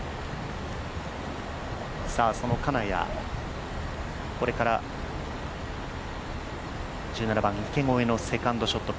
その金谷、これから１７番、池越えのセカンドショット。